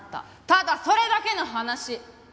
ただそれだけの話！